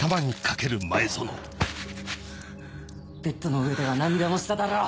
ベッドの上では何でもしただろ。